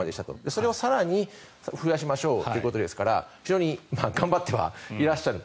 それを更に増やしましょうということですから非常に頑張ってはいらっしゃる。